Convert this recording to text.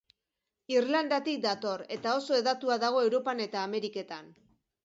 Irlandatik dator, eta oso hedatua dago Europan eta Ameriketan.